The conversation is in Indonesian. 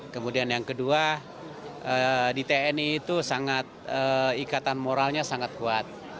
kemudian yang kedua di tni itu sangat ikatan moralnya sangat kuat